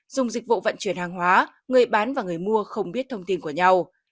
dùng dịch vụ vận chuyển hàng hóa người bán và người mua không biết thông tin của nhau